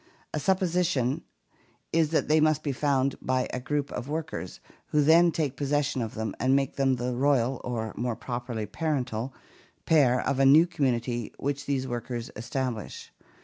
The supposition is that they must be found by a group of workers, who then take possession of them and make them the royal, or more properly parental, pair of a new community which these workers establish.